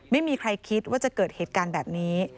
ไม่มีใครคิดว่าจะเกิดเหตุการณ์แบบนี้